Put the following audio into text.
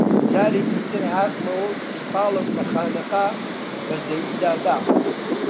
جارێکی تر هاتمەوە و سیپاڵم لە خانەقا بە زەویدا دا